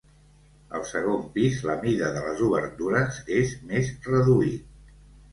Al segon pis la mida de les obertures és més reduït.